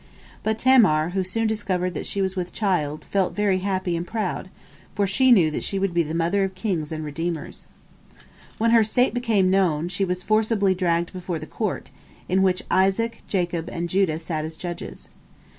But Tamar, who soon discerned that she was with child, felt very happy and proud, for she knew that she would be the mother of kings and redeemers. When her state became known, she was forcibly dragged before the court, in which Isaac, Jacob, and Judah sat as judges.